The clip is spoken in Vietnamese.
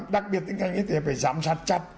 đặc biệt tình hình y tế phải giám sát chặt